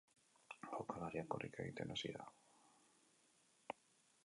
Jokalaria korrika egiten hasi da.